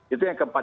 itu yang keempat